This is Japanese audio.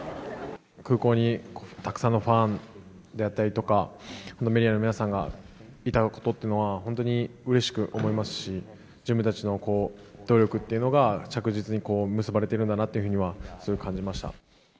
空港にたくさんのファンであったりとか、メディアの皆さんがいたことっていうのは、本当にうれしく思いますし、自分たちの努力っていうのが、着実に結ばれてるんだなっていうのは、感じました。